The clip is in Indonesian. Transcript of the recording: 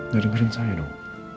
gak dengerin saya nuk